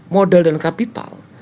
modal dan kapital